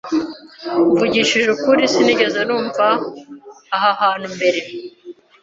Mvugishije ukuri, Sinigeze numva aha hantu mbere.